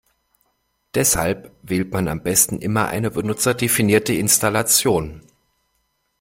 Deshalb wählt man am besten immer eine benutzerdefinierte Installation.